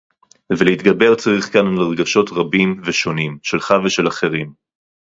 וּלְהִתְגַּבֵּר צָרִיךְ כָּאן עַל רְגָשׁוֹת רַבִּים וְשׁוֹנִים, שֶׁלָּךְ וְשֶׁל אֲחֵרִים.